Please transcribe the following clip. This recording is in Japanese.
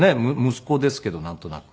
息子ですけどなんとなく。